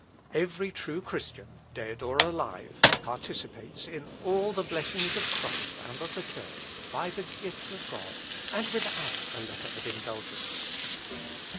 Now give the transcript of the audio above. "Every true Christian, dead or alive, participates in all the blessings of Christ and of the Church by the gift of God and without a letter of indulgence.